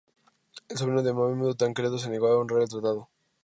El sobrino de Bohemundo, Tancredo, se negó a honrar el tratado.